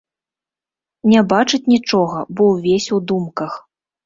Не бачыць нічога, бо ўвесь у думках.